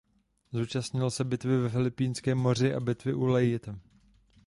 Zúčastnil se bitvy ve Filipínském moři a bitvy u Leyte.